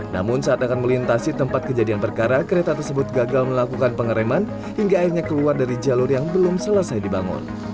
namun saat akan melintasi tempat kejadian perkara kereta tersebut gagal melakukan pengereman hingga akhirnya keluar dari jalur yang belum selesai dibangun